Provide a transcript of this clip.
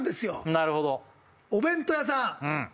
なるほどお弁当屋さん